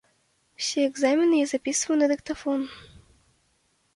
Усе экзамены я запісваю на дыктафон.